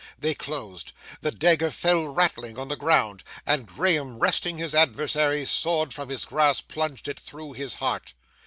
They closed. The dagger fell rattling on the ground, and Graham, wresting his adversary's sword from his grasp, plunged it through his heart.